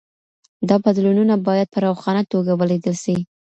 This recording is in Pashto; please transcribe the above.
دا بدلونونه باید په روښانه توګه ولیدل سي.